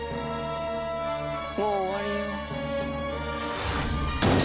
もう終わりよ。